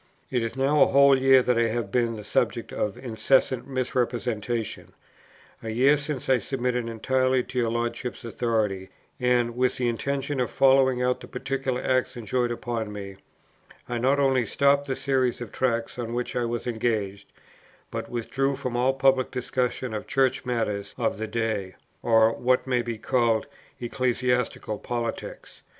"It is now a whole year that I have been the subject of incessant misrepresentation. A year since I submitted entirely to your Lordship's authority; and, with the intention of following out the particular act enjoined upon me, I not only stopped the series of Tracts, on which I was engaged, but withdrew from all public discussion of Church matters of the day, or what may be called ecclesiastical politics.